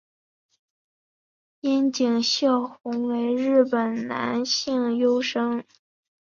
樱井孝宏为日本男性声优。